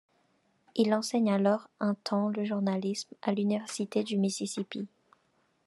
Il enseigne alors un temps le journalisme à l'Université du Mississippi.